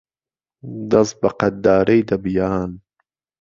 دهست به قهددارەی دهبیان